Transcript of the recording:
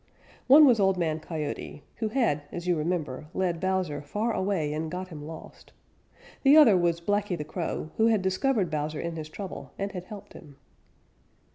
One was Old Man Coyote, who had, as you remember, led Bowser far away and got him lost. The other was Blacky the Crow, who had discovered Bowser in his trouble and had helped him.